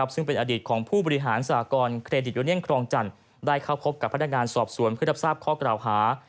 ซึ่งเป็นอดีตของผู้บริหารสากรเครดิตยูเนียนครองจันทร์ได้เข้าพบกับพนักงานสอบสวนเพื่อรับทราบข้อกล่าวหา